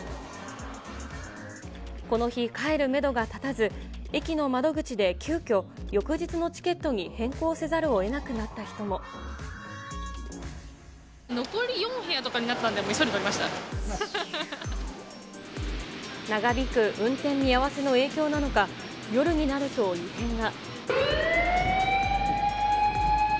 この日、帰るメドが立たず、駅の窓口で急きょ、翌日のチケットに変更せざるをえなくなった人残り４部屋とかになったんで、長引く運転見合わせの影響なのか、夜になると異変が。